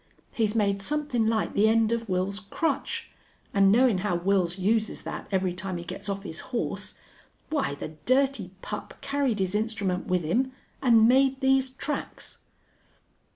He's made somethin' like the end of Wils's crutch. An' knowin' how Wils uses that every time he gets off his horse, why, the dirty pup carried his instrument with him an' made these tracks!"